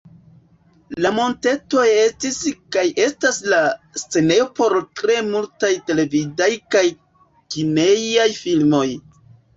La montetoj estis kaj estas la scenejo por tre multaj televidaj kaj kinejaj filmoj.